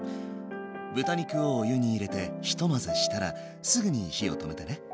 豚肉をお湯に入れてひと混ぜしたらすぐに火を止めてね。